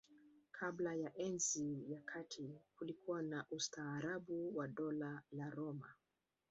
Kabla ya Enzi ya Kati kulikuwa na ustaarabu wa Dola la Roma.